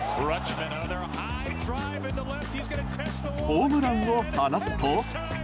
ホームランを放つと。